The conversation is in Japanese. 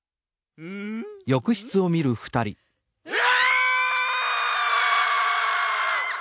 うわ！